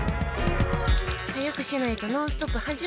早くしないと「ノンストップ！」